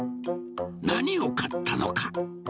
何を買ったのか。